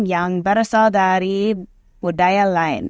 yang berasal dari budaya lain